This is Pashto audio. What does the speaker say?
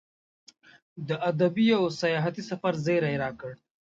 د ادبي او سیاحتي سفر زیری یې راکړ.